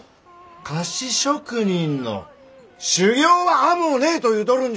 菓子職人の修業は甘うねえと言うとるんじゃ！